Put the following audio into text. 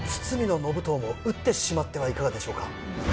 堤信遠も討ってしまってはいかがでしょうか。